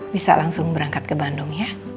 bisa langsung berangkat ke bandung ya